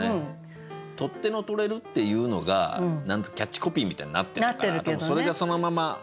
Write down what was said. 「取っ手の取れる」っていうのがキャッチコピーみたいなのになってるからそれがそのまま。